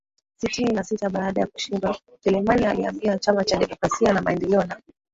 sitini na sita baada ya kushindwa Selemani alihamia Chama cha demokrasia na maendeleo na